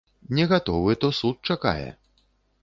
Не гатовы, то суд чакае.